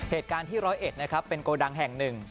เหตุการณ์ที่๑๐๑นะครับเป็นกดังแห่ง๑